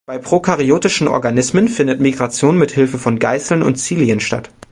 Bei prokaryotischen Organismen findet Migration mit Hilfe von Geißeln und Cilien statt.